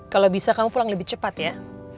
kalau bisa kamu pulang lebih cepat ya